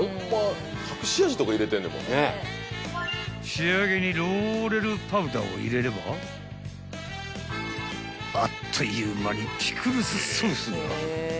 ［仕上げにローレルパウダーを入れればあっという間にピクルスソースが］